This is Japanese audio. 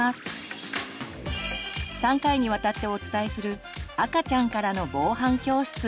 ３回にわたってお伝えする「赤ちゃんからの防犯教室」。